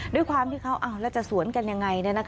ด้วยความที่เขาอ้าวแล้วจะสวนกันอย่างไร